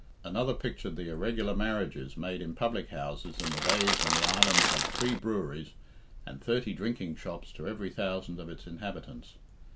Another pictured the irregular marriages made in public houses in the days when the island had three breweries and thirty drinking shops to every thousand of its inhabitants.